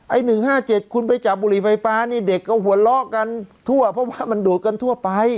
๑๕๗คุณไปจับบุหรี่ไฟฟ้านี่เด็กก็หัวเราะกันทั่วเพราะว่ามันโดดกันทั่วไป